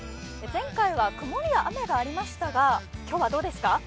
前回は曇りや雨がありましたが今日はどうですか。